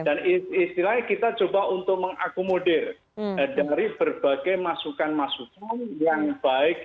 dan istilahnya kita coba untuk mengakomodir dari berbagai masukan masukan yang baik